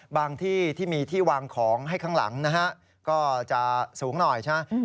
ที่ที่มีที่วางของให้ข้างหลังนะฮะก็จะสูงหน่อยใช่ไหม